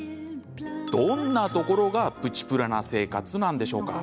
どんなところがプチプラな生活なんでしょうか？